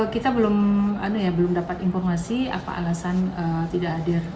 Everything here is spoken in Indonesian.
kita belum dapat informasi apa alasan tidak hadir